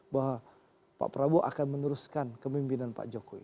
bahwa pak prabowo akan meneruskan kemimpinan pak jokowi